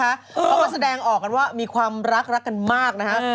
เขาก็แสดงออกกันว่ามีความรักรักกันมากนะฮะ